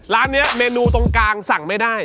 ร้านนี้เมนูตรงกลางสั่งไม่ได้